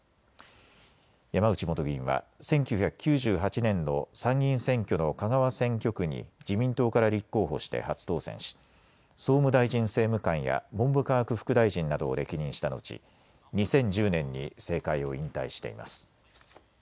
山内元議員は１９９８年の参議院選挙の香川選挙区に自民党から立候補して初当選し総務大臣政務官や文部科学副大臣などを歴任した後、２０１０年に政界を引退しています。